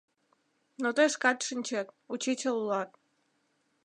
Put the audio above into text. Но тый шкат шинчет, учичыл улат...